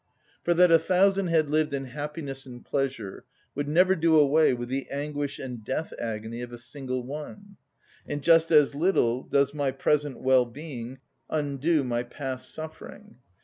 For that a thousand had lived in happiness and pleasure would never do away with the anguish and death‐agony of a single one; and just as little does my present well‐being undo my past suffering.